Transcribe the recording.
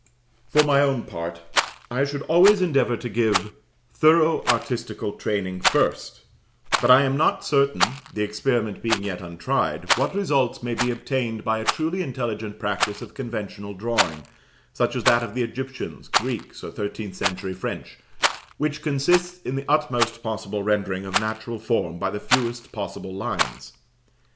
For my own part, I should always endeavour to give thorough artistical training first; but I am not certain (the experiment being yet untried) what results may be obtained by a truly intelligent practice of conventional drawing, such as that of the Egyptians, Greeks, or thirteenth century French, which consists in the utmost possible rendering of natural form by the fewest possible lines.